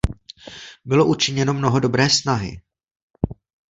Bylo učiněno mnoho dobré snahy.